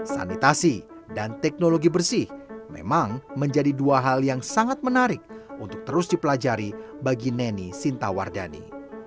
sanitasi dan teknologi bersih memang menjadi dua hal yang sangat menarik untuk terus dipelajari bagi neni sintawardani